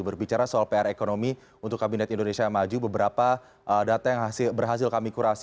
berbicara soal pr ekonomi untuk kabinet indonesia maju beberapa data yang berhasil kami kurasi